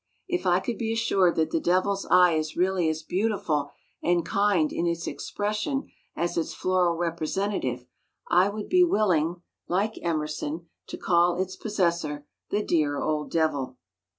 If I could be assured that the devil's eye is really as beautiful and kind in its expression as its floral representative I would be willing, like Emerson, to call its possessor "the dear old devil."